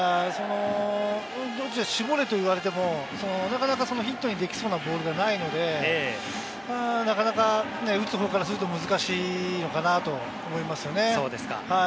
絞れと言われても、なかなかヒットにできそうなボールがないので、なかなか打つ方からすると難しいのかなと思いますよね。